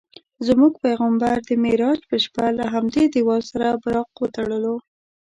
زموږ پیغمبر د معراج په شپه له همدې دیوال سره براق وتړلو.